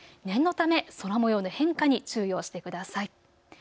念のため空もようの変化に注意をしてください。